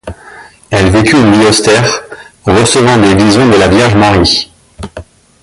Elle vécut une vie austère, recevant des visions de la Vierge Marie.